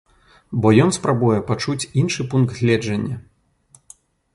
Бо ён спрабуе пачуць іншы пункт гледжання.